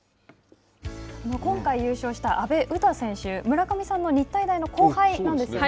今回優勝した阿部詩選手、村上さんの日体大の後輩なんですよね。